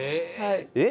えっ？